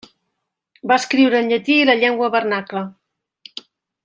Va escriure en llatí i la llengua vernacla.